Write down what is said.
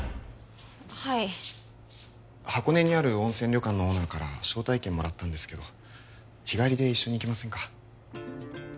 はい箱根にある温泉旅館のオーナーから招待券もらったんですけど日帰りで一緒に行きませんか？